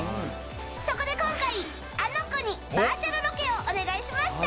そこで、今回あの子にバーチャルロケをお願いしました。